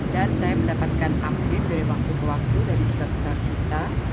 dan saya mendapatkan update dari waktu ke waktu dari juga besar kita